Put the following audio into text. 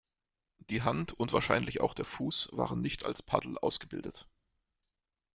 Die Hand und wahrscheinlich auch der Fuß waren nicht als Paddel ausgebildet.